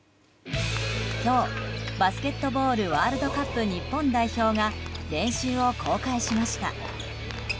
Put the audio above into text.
今日、バスケットボールワールドカップ日本代表が練習を公開しました。